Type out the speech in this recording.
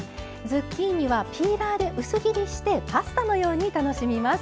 ズッキーニはピーラーで薄切りしてパスタのように楽しみます。